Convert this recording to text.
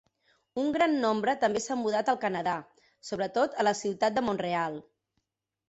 Un gran nombre també s'ha mudat al Canadà, sobretot a la ciutat de Mont-real.